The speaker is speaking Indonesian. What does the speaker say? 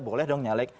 boleh dong nyalek